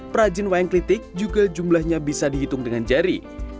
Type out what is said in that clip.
perajin wayang klitik juga jumlahnya bisa dihitung dengan jari